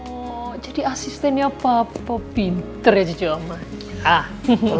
oh jadi asistennya papa pinter ya cucu omah